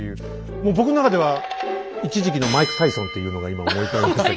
もう僕の中では一時期のマイク・タイソンというのが今思い浮かびましたけど。